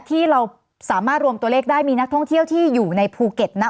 ที่เราสามารถรวมตัวเลขได้มีนักท่องเที่ยวที่อยู่ในภูเก็ตนะ